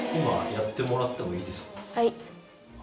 はい。